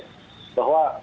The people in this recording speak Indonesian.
bahwa problemnya saat ini